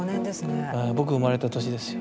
ええ僕が生まれた年ですよ。